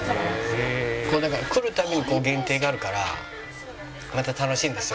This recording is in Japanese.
だから来る度に限定があるからまた楽しいんですよ。